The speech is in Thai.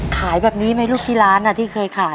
ขายแบบนี้ไหมลูกที่ร้านที่เคยขาย